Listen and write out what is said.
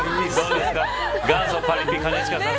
元祖パリピ兼近さん